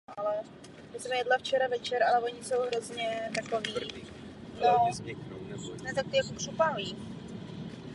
Problém Západní Sahary je problémem politickým, problémem dekolonizace.